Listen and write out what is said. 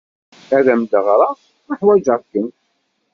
Ad am-d-ɣreɣ, ma hwajeɣ-kem.